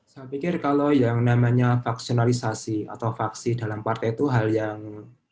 saya pikir kalau yang namanya faksionalisasi atau faksi dalam partai itu hal yang